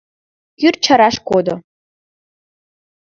Кӱр чараш кодо.